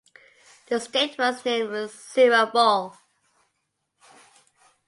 The state was named Seorabeol.